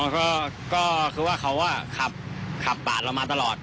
อ๋อก็ก็คือว่าเขาว่าขับปาดเรามาตลอด